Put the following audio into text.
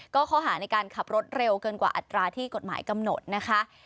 ก็ข้อหาในการขับรถเร็วเกินกว่าอัตราที่กฎหมายกำหนดนะคะ